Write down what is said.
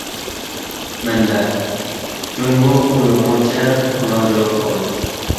مەنبە: جۇڭگو ئۇيغۇرچە رادىيو تورى.